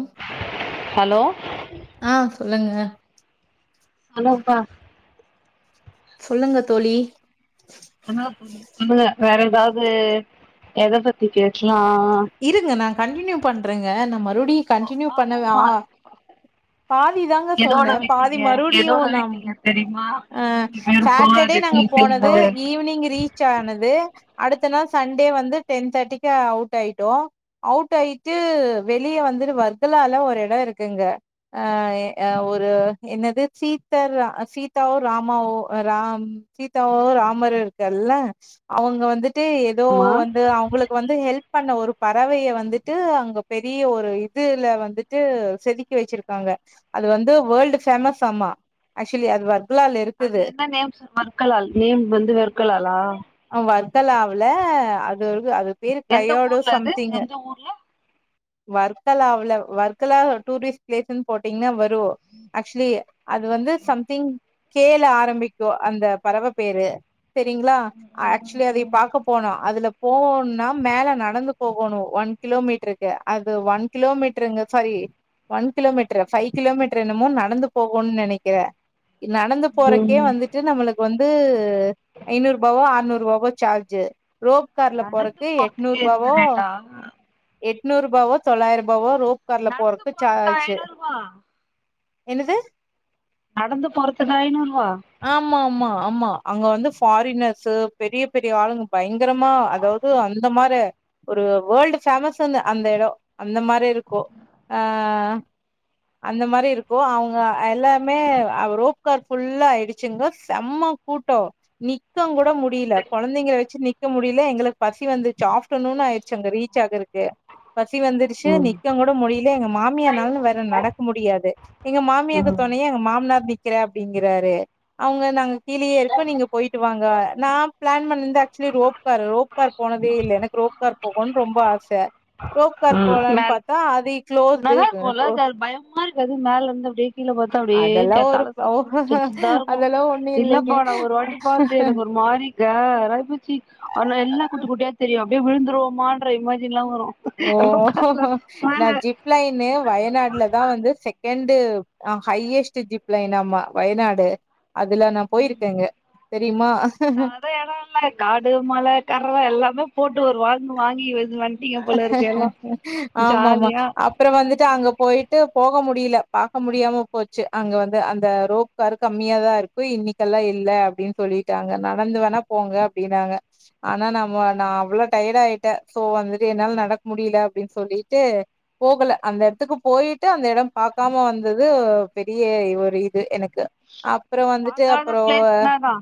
ம் ஹலோ ஆ சொல்லுங்க ஹலோ அப்பா சொல்லுங்க தோழி வேற ஏதாவது எத பத்தி பேசலா இருங்க நா கண்டினியூ பண்றேங்க நா மறுவடியு கன்டினியூ பண்ணவா ஆமாமா பாதி தாங்க எதோட சொன்னே பாதி விட்டீங்க மறுவடியு எதோட நா விட்டீங்க தெரியுமா அ மூணு பேரு சாட்டர்டே நாங்க போனது போகாத ஈவினிங் ரீ ச் ஆனது அடுத்த நாள் சண்டே வந்து டென் தேர்ட்டிக்கு அவுட் ஆயிட்டோ அவுட் ஆயிட்டு வெளிய வந்துறு வர்கலால ஒரு எடோ இருக்குங்க அ அ ஒரு என்னது சீத்தர் சீதாவோ ராமாவோ ராம் சீதாவு ராமரு இருக்கல்ல அவங்க வந்துட்டு ஏதோ ஆமா வந்து அவுங்களுக் கு வந்து ஹெல்ப் பண்ண ஒரு பறவைய வந்துட்டு அங்க பெரிய ஒரு இதுல வந்துட்டு செதுக்கி வச்சிருக் க்காங்க அது வந்து வேல்டு ஃபேமஸ் ஆமா ஆக்சுவலி அது வர்கலால அது இருக்குது என்ன நேம்ஸ் மற்களால் நேம் வந்து வெர்க்கலாலா அ வர்க்கலாவுல அது ஒரு அது பேரு எந்த கையோடு ஊர்ல அது சம்திங்கு எந்த ஊர்ல வர்க்கலாவுல வர்க்கலா ஒரு டூரிஸ்ட் பிளேஸ்ன் போட்டீங்கன்னா வரு ரு அக்சுவலி அது வந்து சம்திங் கே ல ஆரம்பிக்கு அந்த பறவ பேரு செரிங்களா ஆக்சுவலி அதயு பாக்க போனோ அதுல போணும்னா மேல நடந்து போகணு ஒன் கிலோமீட்ருக்கு அது ஒன் கிலோமீட்டருங்க sorry one kilometre five kilometre என்னமோ நடந்து போகுன் நெனைக்கிற நடந்து போறக்கே ம் வந்து ட்டு நம்ளுக்கு வந்து ஐநூற்பாவோ ஆற்நூற்பாவோ சார்ஜு ரோப் கார்ல நடந்து போறக்கு போறதுக்கே இந்த எட்நூற்ரூபாவோ ரேட்டா எட்ணூறுபாவோ தொள்ளாய்ருபாவோ ரோப்கார்ல நடந்து போறக்கு போறதுக்கு சார்ஜு ஐநூறுவா என்னது நடந்து போறத்துக்கா ஐநூறுவா ஆமாமா ஆமா அங்க வந்து ஃபாரினர்ஸ்சு பெரிய பெரிய ஆளுங்க பயங்கரமா அதாவ் து அந்த மாரே ஒரு வழ்டு ஃபேமஸுனு அந்த எடோ அந்த மாரி இருக்கு ஆ அந்த மாரி இருக்கு அவுங்க எல்லாமே ரோப்கார் ஃபுல்லா ஆய்டுச்சுங்க செம்ம கூட்டோ நிக்கங் கூட முடியில கொழந்தைங்ள வெச்சு நிக்க முடில எங்களுக்கு பசி வந்துச்சு ஆஃப் அப்ட்டனுன் ஆய்டுச்சு அங்க ரீச் ஆகறக்கு பசி வந்துடுச்சி ம் நிக்கங்கூட முடி ல எங்க மாமியானல வேற நடக்க முடியாது எங்க மாமியாக்கு ம் தொணையா எங்க மாமனார் நிக் குற அப்டிங்குறாரு அவங்க நாங்க கீழேயே இருக்கோ நீங்க போய்ட்டு வாங்க நா ப்ளன் பண்ணிந்த ஆக்சுவலி ரோப்கார் ரோப்கார் போனதே இல்ல எனக்கு ரோப்கார் போகணு ரொம்ப ஆச ரோப்கார் ம் போலான் மேல பாத்தா அதி நல்லா இருக்குல்ல அது அது பயம்மா இருக்காது மல இருந்து அப்டியே கீழ பாத் தா அப்டியே அதெல்லா க ஒரு தல ஓ சுத்து சின் சின்னதா இருக்கு அதெல்லா ஒண்ணு இல்லைங்க இல்லப்பா நா ஒரு வாட்டி பாத்து எனக்கு ஒரு மாறி கரா ஆய் போச்சி ஆனா எல்லா குட்டி குட்டியா தெரியு அப்டியே விழுந்துடுவமான்ற இமஜின்லா வரு ஓஹோ ரோப்கார்ல ஹோ நா மேல ஜிப் லைனு வயநாடுல தா வந்து செகண்டு் ஹையஸ்ட் ஜிப் லைனாம்மா வயநாடு அதுல நா போய்ருக்கங்க தெரிமா து எடோயில்ல காடு மல கற்வ எல்லாமே போட்டு ஒரு வாங்கு வாங்கி வெஞ் வந் ஆமாமா அப் அப்றோ வந்துட்டு அங்க போய்ட்டு போக முடியில பாக்க முடியாம போச்சு அங்க வந்து அந்த ரோப் கார் கம்மியாதா இருக்கு இன்னிக்கெல்லா இல்ல அப்டின் சொல்லிட்டாங்க நடந்து வேணா போங்க அப்டின்னாங்க ஆனா நாம நா அவ்ளோ டயர்ட் ஆயிட்ட சோ வந்துட்டு என்னால நடக்க முடியில அப்டின் சொல்லிட்டு போகல அந்த எட்துக்கு போயிட்டு அந்த எடம் பாக்காம வந்தது அ பெரிய ஒர் இது எனக்கு அப் பாக்காத ப்ளேஸ் இன்னதா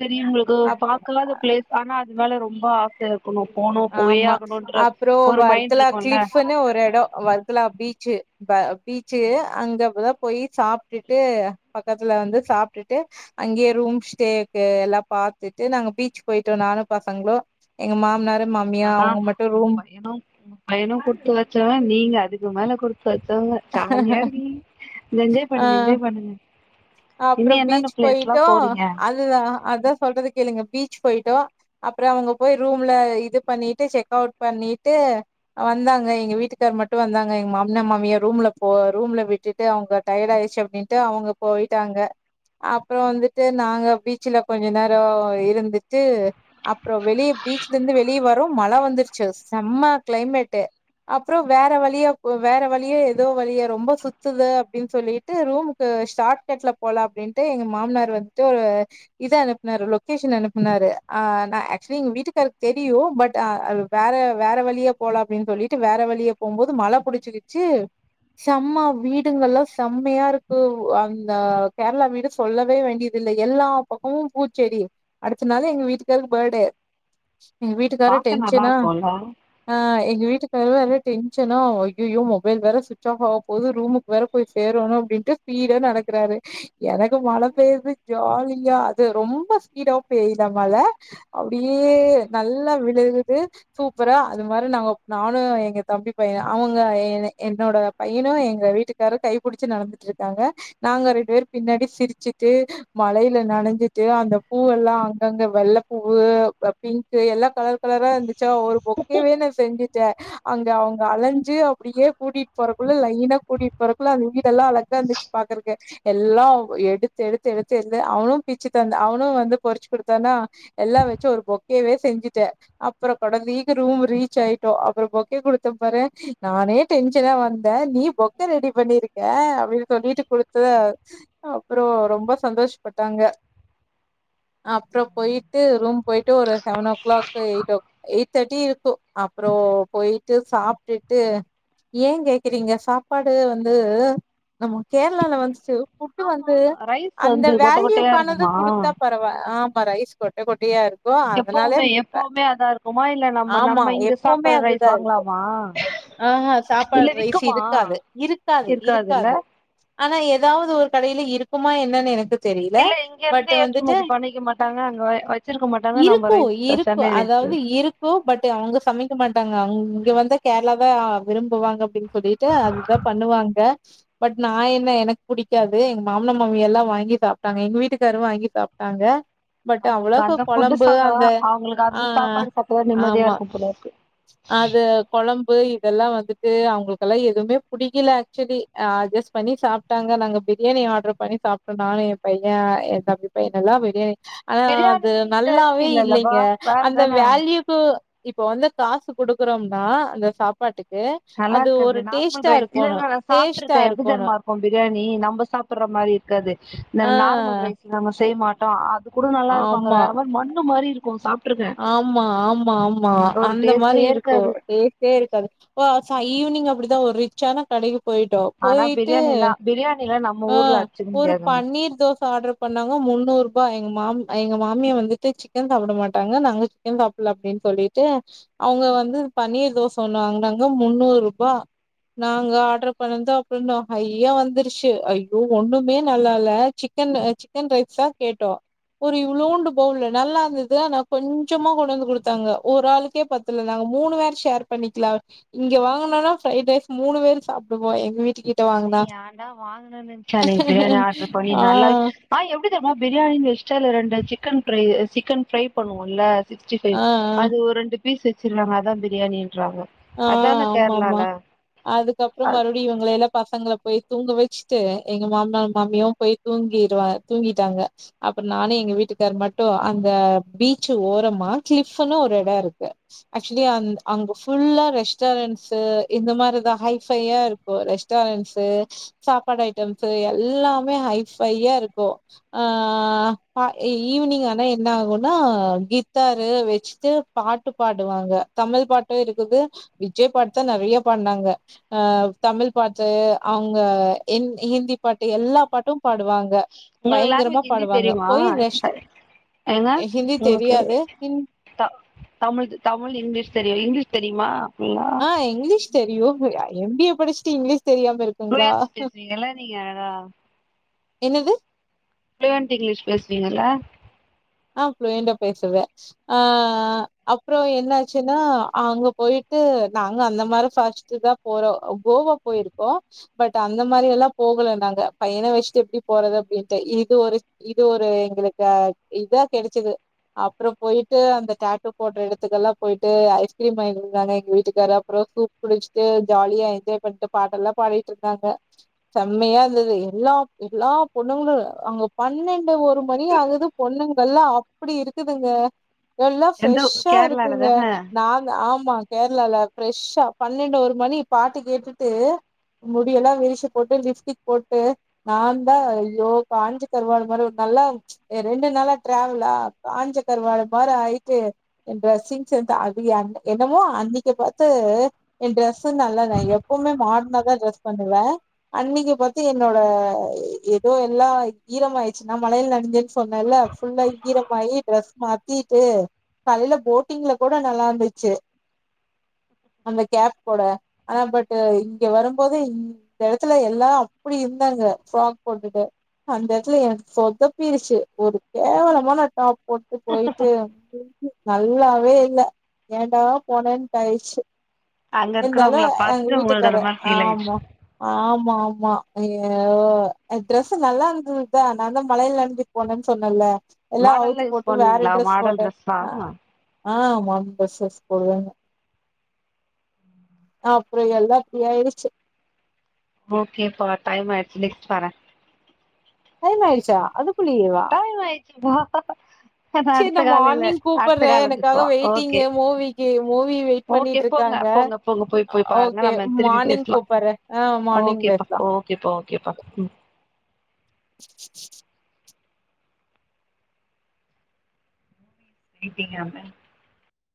சரி உங்ளுக்கு அப் பாக்ளாத ப்ளேஸ் ஆனா அது மேல ரொம்ப ஆசையா இர்க் ஒன்னுப்போனோ ஆமா அப்றோ வர்க்கலா இருக்குல்ல க்ளிஃப்னு ஒரெடோ வர் கலா பீச்சு ப பீச்சு அங்கப்ளப் போய்ச்சாப்ட்டுட்டு பக்கத்துல வந்து சாப்ட்டுட்டு அங்கேயே ரூம் ஸ்டேக்கு எல்லாம் பாத்துட்டு நாங்க பீச் போய்ட்டோ நானு பசங்ளு எங்க மாம்னாரு ஆனா உங்க பையனு பையனு குடுத்து வச்சவ நீங்க அதுக்கு மேல குடுத்து வச்சவங்க ஜாலியாயிருக்கீங்க என்ஜாய் பண்ணுங்க ஆ என்ஜாய் பண்ணுங்க அப்றோ இன்னு என்னென்ன பீச் பிளேஸ்லா போய்ட்டோ போறீங்க அதுதா அதா சொல்றத கேளுங்க பீச் போய்ட்டோ அப்றோ அவங்க போய் ரூம்ல இது பண்ணிட்டு செக்கவுட் பண்ணிட்டு வந்தாங்க எங்க வீட்டுக்கார் மட்டு வந்தாங்க எங்க மாம்னா மாமியா ரூம்ல போ ரூம்ல விட்டுட்டு அவுங்க டயர்ட்டாய்ச்சு அப்டின்ட்டு அவுங்க போய்ட்டாங்க அப்பறோ வந்துட்டு நாங்க பீச்சுல கொஞ்ச நேரோயிருந்துட்டு அப்றோ வெளிய பீச்லேந்து வெளியே வரும் மழ வந்துர்ச்சு செம்மா க்ளைமேட்டு அப்றோ வேற வழியா போ வேற வழியாய் எதோ வழியா ரொம்ப சுத்துது அப்டின் சொல்லிட்டு ரூமுக்கு ஷாட் கட்ல போலா அப்டின்ட்டு எங்க மாம்னார் வந் ட்டு இது அனுப்புனாரு லொக்கேஷன் அனுப்புனாரு ஆ நா ஆக்சுவ்லி எங்க வீட்டுக்காருக்கு தெரியு பட் ஆ வேற வேற வழியா போலா அப்டின் சொல்லிட்டு வேற வழியா போம்போது மழ புடிச்சிகிச்சி செம்மா வீடுங்கல்லா செம்மையா இருக்கு அந்த கேரளா வீடு சொல்லவே வேண்டியது இல்ல எல்லா பக்கமு பூச்செடி அடுத்த நாலு எங்க வீட்டுக்காருக்கு பேர்டே எங்ங வீட்டுக்காரரு பாக்க நல்லா டென்ஷனா இருக்குல்ல ஆ எங்க வீட்டுக்காரர் வேற டென்ஷனா அய்யயோ மொபைல் வேற சுவிட் ட்ச் ஆப் ஆக போகுது ரூமுக்கு வேற போய் சேரணு அப்படின்ட்டு ஸ்பீடா நடக்குறாரு எனக்கு மழ பெய்யுது ஜாலியா அது ரொம்ப ஸ்பீடாவு பெய்யுதா மழ அப்டியே நல்லா விழுகுது சூப்பரா அது மாரி நம்ம நானு எங்க தம்பி பைய அவுங்க எ என்னோட பையனு எங்க வீட்டுக்காரு கைபிடிச்சு நடந்துட்டு இருக்காங்க நாங்க ரெண்டு பேர் பின்னாடி சிரிச்சுட்டு மழையில நனஞ்சிட்டு அந்த பூ எல்லா அங்கங்க வெள்ளப்பூவு பிங்க் சோ எல்லா கலர் கலரா இருந்துச்சா ஒரு பொக்கேவே நா செஞ்சுட்டே அங்க அவங்க அலஞ்சு அப்டியே கூட்டிட்டு போறகுள்ள லைன்னா கூட்டிட்டு போறக்குள்ள அது வீடல்லா அழகா இருந்துச்சு பாக்குறத்திக்கே எல்லா எடுத்து எடுத்து எடுத்து எடுத்து அவனு பிச்சு தந்த அவனு வந்து பொறிச்சு கொடுத்தானா எல்லா வெச்சு ஒர் பொக்கேவே செஞ்சுட்டே அப்றோ கொண்டாந்து ரூம் ரீச் ஆய்ட்டோ அப்பறோ பொக்கே குடுத்த பாரு நானே டென் ஷனா வந்த நீ பொக்க ரெடி பண்ணிருக்க அப்டின்னு சொல்லி குடுத்தத அப்றோ ரொம்ப சந்தோஷப்பட்டாங்க அப்றோ போய்ட்டு ரூம் போய்ட்டு ஒரு செவனோ கிளாக் எய்ட்டோக் எய்ட் தட்டியிருக்கு அப்றோ போய்ட்டு சாப்ட்டுட்டு ஏ கேக்குறீங்க சாப்பாடு வந்து நம்ம கேரளால வந்துட்டு புட்டு ஆமா வந்து ரைஸ் அந்த வந்து கொட்ட கொட்டையா வேல்யூக்கானது இருக்குமா குடுத்தா பரவாய ஆமா ரைஸ் கொட்ட கொட்டையா இருக்கு இப்போ அதனாலே எப்பவுமே இப்ப எப்பவுமே அதா இருக்குமா இல்ல நம்ம ஆமா நம்ம இங்க எப்பவுமே சாப்பற ரைஸ் அதுதா இருக்கு வாங்கலாமா ஆஹ்ஹ இல்ல சாப்பாடு ரைஸ் விக்குமா இருக்காது இருக்காது இருக்காதுல்ல இருக்காது ஆனா ஏதாவது ஒரு கடையில இருக்குமா என்னன்னு எனக்கு தெரியல இல்ல இங்க பட் இருந்து வந்துட்டு ஏற்றுமதி பண்ணிக்க மாட்டாங்க அங்க வ- வச்சிருக்க மாட்டாங்க நம்ம ரைஸ் சென்னை ரைஸு அதாவது இரு கோவப்பட்டு அவுங்க சமைக்க மாட்டாங்க அவுங் இங்க வந்தா கேரளா தா விரும்புவாங்க அப்டின் சொல்லிட்டு அதுதா பண்ணுவாங்க பட் நா என்ன எனக்கு புடிக்காது எங்க மாமனா மாமி எல்லா வாங்கி சாப்ட்டாங்க எங்க வீட்டுக்காரு வாங்கி சாப்ட்டாங்க பட் அவங்களுக்கு அவ்ளோகா அந்த ஃபுட்டு கொழம்பு சாப்டதா அந்த அவங்களுக்கு அ அந்த சாப்பாடு சாப்டதா நிம்மதியா ஆமா இருக்கும் போல அது கொழம்பு இதெல்லா வந்துட்டு அவுங்ளுக்கெல்லா எதுமே புடிக்கல ஆக்சுவலி அஜஸ் பண்ணி சாப்ட்டாங்க நாங்க பிரியாணி ஆர்டர் பண்ணி சாப்பிட்டோ நானு எ பைய எ தம்பி பைய எல்லா பிரியாணி ஆனா அது பிரியாணியுமே இந்த நல்லாவே அரிசில இல்லப்பா இல்லைங்க அந்த வேறதான வேல்யூ க்கு இப்ப வந்து காசு குடுக்றோம்னா அந்த சா பாட்டுக்கு நல்லா அது இருக்காது ஒரு நார்மல் டேஸ்டா இருக்கோணு டேஸ்டா இருக்கோணு இப்போ பிரியாணி நம்ம சாப்புட்ற மாரி இருக்காது இந்த ஆ நார்மல் ரைஸ் நம்ம செய்ய மாட்டோ அது கூட நல்லா இருக்கு அங்க ஆமா. வேற மாரி மண்ணு மாரி இருக்கு சாப்ட்ருக்க ஆமா ஆமா ஆமா அந்த மாரி டேஸ்ட்டே இருக்கு இருக்காது டேஸ் டே இருக்காது ஓ ச ஈவ்னிங் அப்டிதா ஒரு ரிச்சான கடைக்கு பொயிட்டோ ஆனா பொயிட்டு பிரியாணிலா பிரியாணிலா நம்ம அ ஊர்ல அடிச்சுக்க ஒரு முடியாதுங்க பன்னீர் தோச ஆட்ரு பண்ணாங்க முன்னூறுபா எங்க மா எங்க மாமியா வந்துட்டு சிக்கன் சாப்ட மாட் டாங்க நாங்க சிக்கன் சாப்புட்ல அப்டின்னு சொல்லிட்டு அவுங்க வந்து பன்னீர் தோச ஒண்ணு வாங்குனாங்க முன்னூர் ருபா நாங்க ஆட்ரு பண்ணந்து அப்றோ ஹைய்யா வந்ருச்சு ஐயோ ஒண்ணுமே நல்லால்ல சிக்கன் சிக்கன் ரைஸ் தா கேட்டோ ஒரு இவ்ளோண்டு பவுல நல்லாருந்துது ஆனா கொஞ்சமா கொண்டுவந்து குடுத்தாங்க ஒரு ஆளுக்கே பத்ல நாங்க மூணு பேர் ஷேர் பண்ணிக்லா இங்க வாங்குனோனா ஃப்ரைடு ரைஸ் மூணு பேர் சாப்டுப்போ எங்க வீட்டுக்கே நானே ஏன்டா வாங்குனனு நெனச்சே அன்னைக்கு பிரியாணி ஆட்ரு பண்ணி ஆ, ஆ, நல்லாவே அ எப்டித் தெரியுமா பிரியாணில எக்ஸ்ட்ரா ரெண்டு சிக்கன் ப்ரை சிக்கன் ஃப்ரை பண்ணுவோல்ல ஆ, சிக்ஸ்டிபைவ் அது ஒரு ரெண்டு பீஸ் வச்சுருதாங்க அதா பிரியாணின்றாங்க அ அதான ஆமா ஆமா கேரளால அதுக்கப்றோ அ- மறுப்டியு இவங்கள எல்லா பசங்கள போய் தூங்க வச்ட்டு எங்க மாமனர் ம். மாமியாவு போய் தூங்கிருவாங் தூங்கிட்டாங்க அப்றோ நானு எங்க வீட்டுக்காரு மட்டு அந்த பீச்சு ஓரமா கிளிஃப்ன்னு ஒரு எடோ இருக்கு ஆக்சுவலி அந்த அங்க ஃபுல்லா ரெஸ்டாரண்ட்ஸு இந்த மாரிதா ஹைஃபையா இருக்கு ரெஸ்டாரண்ட்ஸு சாப்பாடு ஐட்டம்ஸ் எல்லாமே ஹைபையா இருக்கு அ ஈவ்னிங் ஆனா என்னாகுனா கித்தாரு வச்சுட்டு பாட்டு பாடுவாங்க தமிழ் பாட்டு இருக்குது விஜய் பாட்டு தா நெறய பாடுனாங்க அ தமிழ் பாட்டு அவுங்க ஹிந்தி பாட்டு எல்லா பாட்டு பாடுவாங்க உங்களுக்கு பயங்கரமா லாங்குவேஜ் ஹிந்தி பாடுவாங்க தெரியுமா போய் ரெஸ்ட் அ- ஏங்க ஹிந்தி உங்களுக்கு தெரியாது ஹி த தமிழ் தமிழ் இங்லீஷ் தெரியு இங்லீஷ் தெரியுமா ஃபுல்லா ஆ இங்லீஷ் தெரியு எம் பி ஏ படிச்ட்டு இங்லீஷ் தெரியாம இருக் ப்ளுயன்ஸ் பேசுவீங்ளா நீங்க அழகா என்னது பிலுயென்ட் இங்லீஷ் பேசுவீங்க இல்ல ஆ பு்ளுயண்டா பேசுவ அ அப்றோ என்னாச்சுன்னா அங்க பொயிட்டு நாங்க அந்த மாரி ஃபாஸ்ட் தா போறோ கோவா போயிருக்கோ பட் அந்த மாரி எல்லாம் போகல நாங்க பையன வச்சிட்டு எப்டி போறது அப்டின்ட்டு இது ஒரு இது ஒரு எங்களுக்க இதா கெடச்சது அப்ரோம் போயிட்டு அந்த டேட்டோ போட்ட இடத்துக்கெலாம் போயிட்டு ஐஸ்கிரீம் வாங்கிருந்தாங்க எங்க வீட்டுக்கார் அப்ரோம் சூப் குளிச்ட்டு ஜாலியா என்ஜாய் பண்ட்டு பாட்டெல்லாம் பாடிட்டு இருந்தாங்க செம்மயா இருந்துது எல்லா எல்லா பொண்ணுங்ளும் அங்க பன்னெண்டு ஒரு மணி ஆகுது பொண்ணுங்கல்லாம் அப்டி இருக்குதுங்க எல்லாம் எந்த ஃப்ரெஷ்ஷா கேரளால இருக்குங்க தான நாங்க ஆமா கேரளால ப்ரெஷ்ஷா பன்னெண்டு ஒரு மணி பாட்டு கேட்டுட்டு முடியெல்லாம் விரிச்சி போட்டு லிப்டிக் போட்டு நான்தான் ஐயோ காஞ்சு கருவாடு மாரி ஒரு நல்லா ரெண்டு நாளா டிராவலா காஞ்சக்கருவாடு மாறி ஆயிட்டு என் டிரெஸ்ஸிங் சென்ஸ் அது அன்னக் என்னமோ அன்னைக்கின் பாத்து என் டிரரெஸ்ஸும் நல்லலே எப்பவுமே மாடர்ன தான் ட்ரெஸ் பண்ணுவேன் அன்னைக்கி பாத்து என்னோட ஏதோ எல்லாம் ஈரம் ஆயிட்ச்சு நா மழையில நெனச்சிட் சொன்னேல்ல ஃபுல்லா ஈரமாயி ட்ரெஸ் மாத்திட்டு காலயில போட்டிங்ல கூட நல்லா இருந்துச்சு அந்த கேப் கூட ஆனா பட் இங்க வரும்போது இ இந்த எடத்துல எல்லாம் அப்டி இருந்தாங்க ஃப்ராக் போட்டுட்டு அந்த எடத்ல எனக்கு சொதப்பிருச்சு ஒரு கேவலமான டாப் போட்டு போயிட்டு நல்லாவே இல்ல ஏண்டா போனேன்ட்டு ஆயிருச்சு அங்க இருக்கிறவங்கள இருந்தாலும் எங்க பாத்துட்டு உங்களுக்கு அந்த வீட்டுக்காரு மாரி ஃபீல் ஆயிடுச்சு ஆமா ஆமா ஆமா ஐயோ டிரெஸ் நல்லா இருந்ததுதா நான் தான் மழையில நனஞ்சி போனேன்னு சொன்னல எல்லாம் மாடல்லா அவுத்து யூஸ் போட்டு வேற பண்ணுவீங்களா ட்ரெஸ் மாடல் போட்டன் ட்ரெஸ்லா அ ஆ மாடர்ன் ட்ரெஸ்சஸ் போடுவே அப்ரோ எல்லாம் இப்டி ஆயிடுச்சு ஓகே பா டைம் ஆயிடிச்சு நெக்ஸ்ட் வரேன் டைம் ஆயிச்சா அதுக் டைம் ஆயிடுச்சு பா ஆஹான் சரி அடுத்த நா கால் இல்ல மார்னிங் அடுத்த கூப்பட்றே கால்ல எனக்காக பேசுவோம் ஓகே வெயிட்டிங்கு மூவிக்கு மூவி வெயிட் ஓகே பண்ணிட்டு போங்க இருக்காங்க போங்க போங்க போய் போய் பாருங்க ஓகே நம்ம திருப்பி மார்னிங் பேஸ்லாம் கூப்பட்றே ஆ மார்னிங் ஓகேப்பா பேசலா ஓ இப்ப ஓகே பா [unintelligible] மீட்டிங்காமே